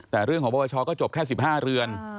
แต่เรื่องของปปชก็จบแค่สิบห้าเรือน